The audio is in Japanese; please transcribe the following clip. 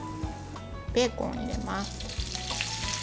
ベーコンを入れます。